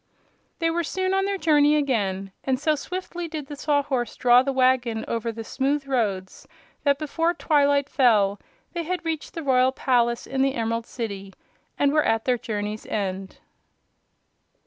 They were soon on their journey again, and so swiftly did the Sawhorse draw the wagon over the smooth roads that before twilight fell they had reached the royal palace in the Emerald City, and were at their journey's end.